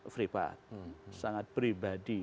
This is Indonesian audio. privat sangat pribadi